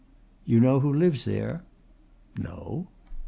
"You know who lives there?" "No."